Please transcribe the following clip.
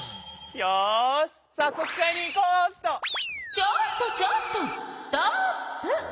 ちょっとちょっとストップ！